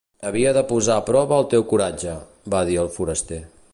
"Havia de posar a prova el teu coratge" va dir el foraster.